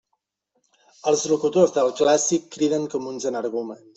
Els locutors del clàssic criden com uns energúmens.